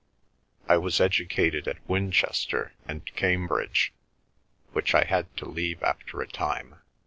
"I was educated at Winchester and Cambridge, which I had to leave after a time.